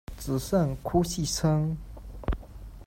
只剩哭泣声